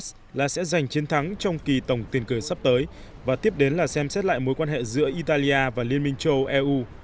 mục tiêu của m năm s là sẽ giành chiến thắng trong kỳ tổng tiền cửa sắp tới và tiếp đến là xem xét lại mối quan hệ giữa italia và liên minh châu âu